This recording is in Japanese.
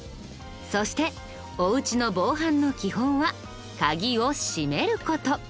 そしてお家の防犯の基本は鍵を閉める事。